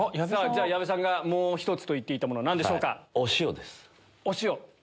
じゃあ矢部さんがもう１つと言っていたものは何でしょうか？